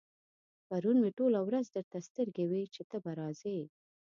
پرون مې ټوله ورځ درته سترګې وې چې ته به راځې.